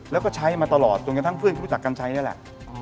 แล้วก็ใช้มาตลอดตรงนั้นทั้งเพื่อนก็รู้จักกัญชัยนี่แหละ